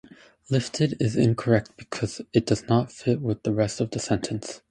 "lifted" is incorrect because it does not fit with the rest of the sentence.